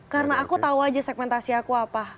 karena aku tahu aja segmentasi aku apa